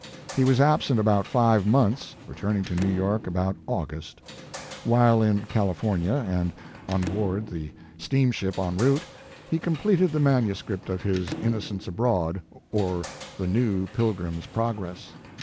He was absent about five months returning to New York about August. While in California and on board the Mark Twain steamship en route, he completed the manuscript of his Innocents Abroad, or the New Pilgrim Progress."